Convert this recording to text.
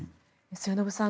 末延さん